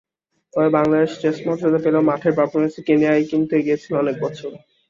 তবে, বাংলাদেশ টেস্ট মর্যাদা পেলেও মাঠের পারফরম্যান্সে কেনিয়াই কিন্তু এগিয়ে ছিল অনেক বছর।